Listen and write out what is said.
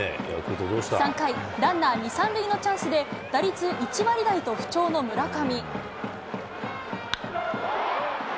３回、ランナー２、３塁のチャンスで、打率１割台と不調の村上。